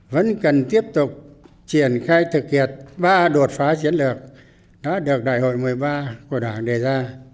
vẫn cần tiếp tục triển khai thực hiện ba đột phá chiến lược đã được đại hội một mươi ba của đảng đề ra